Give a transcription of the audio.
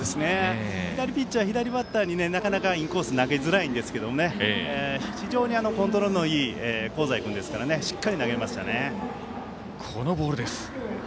左ピッチャー左バッターになかなかインコース投げづらいんですけど非常にコントロールのいい香西君ですからしっかり投げましたね。